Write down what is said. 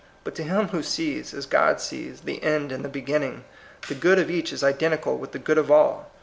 But to him who sees, as Godnees, the end in the beginning, the good of each is identical with the good of all.